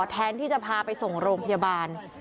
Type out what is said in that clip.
แทนที่จะพาไปส่งโรงพยาบาล